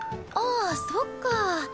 ああそっか。